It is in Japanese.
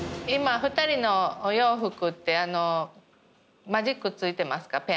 今２人のお洋服ってあのマジック付いてますか？